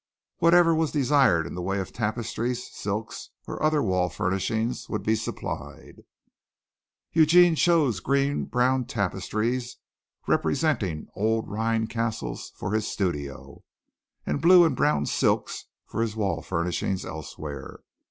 Whatever was desired in the way of tapestries, silks or other wall furnishing would be supplied. Eugene chose green brown tapestries representing old Rhine Castles for his studio, and blue and brown silks for his wall furnishings elsewhere.